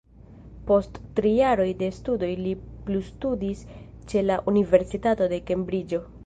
Post tri jaroj de studoj li plustudis ĉe la Universitato de Kembriĝo.